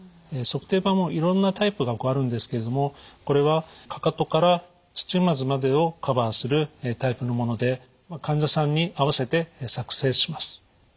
足底板もいろんなタイプがあるんですけれどもこれはかかとから土踏まずまでをカバーするタイプのもので患者さんに合わせて作製します。